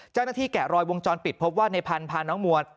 เจ้าหน้าที่แกะรอบวงจรปิดพบว่าในพันพาน้องมัว